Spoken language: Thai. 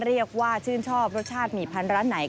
เรียกว่าชื่นชอบรสชาติหมี่พันธุ์ร้านไหน